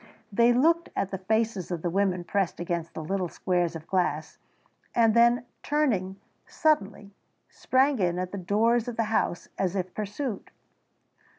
They looked at the faces of the women pressed against the little squares of glass and then, turning, suddenly, sprang in at the doors of the houses as if pursued.